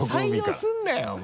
採用するなよお前。